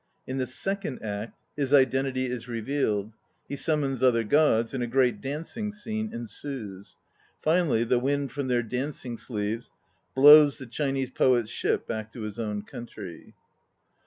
In the second act his identity is revealed. He summons other gods, and a great dancing scene ensues. Finally the wind from their dancing sleeves blows the Chinese poet's ship back to his own country.